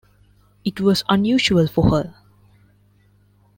It was unusual for her.